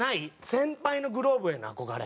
先輩のグローブへの憧れ。